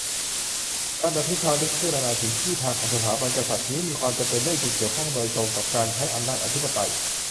การอภิปรายและพิจารณาถึงที่ทางของสถาบันกษัตริย์นี้มีความจำเป็น เนื่องจากเกี่ยวข้องโดยตรงกับการใช้อำนาจอธิปไตย